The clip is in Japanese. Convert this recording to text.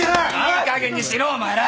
いいかげんにしろお前ら！